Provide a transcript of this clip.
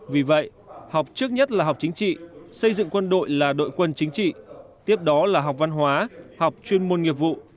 vì vậy học trước nhất là học chính trị xây dựng quân đội là đội quân chính trị tiếp đó là học văn hóa học chuyên môn nghiệp vụ